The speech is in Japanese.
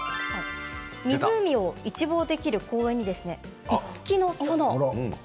湖を一望できる公園に五木の園。